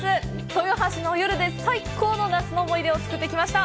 豊橋の夜で最高の夏の思い出を作ってきました！